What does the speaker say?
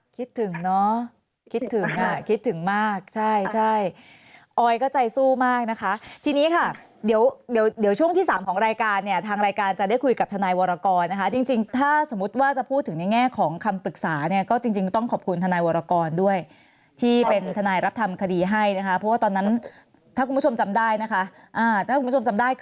คิดถึงเนอะคิดถึงอ่ะคิดถึงมากใช่ใช่ออยก็ใจสู้มากนะคะทีนี้ค่ะเดี๋ยวเดี๋ยวช่วงที่๓ของรายการเนี่ยทางรายการจะได้คุยกับทนายวรกรนะคะจริงถ้าสมมุติว่าจะพูดถึงในแง่ของคำปรึกษาเนี่ยก็จริงต้องขอบคุณทนายวรกรด้วยที่เป็นทนายรับทำคดีให้นะคะเพราะว่าตอนนั้นถ้าคุณผู้ชมจำได้นะคะ